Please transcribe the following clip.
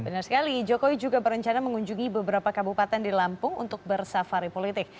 benar sekali jokowi juga berencana mengunjungi beberapa kabupaten di lampung untuk bersafari politik